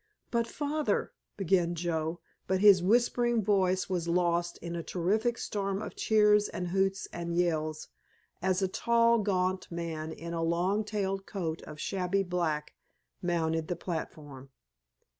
"But, Father——" began Joe, but his whispering voice was lost in a terrific storm of cheers and hoots and yells as a tall, gaunt man in a long tailed coat of shabby black, mounted the platform.